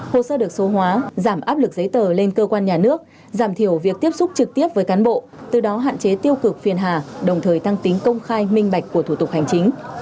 hồ sơ được số hóa giảm áp lực giấy tờ lên cơ quan nhà nước giảm thiểu việc tiếp xúc trực tiếp với cán bộ từ đó hạn chế tiêu cực phiền hà đồng thời tăng tính công khai minh bạch của thủ tục hành chính